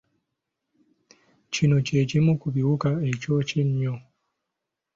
Kino kye kimu ku biwuka ekyokya ennyo.